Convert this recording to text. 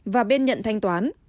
và bên nhận thanh toán